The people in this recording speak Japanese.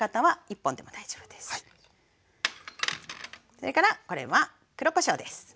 それからこれは黒こしょうです。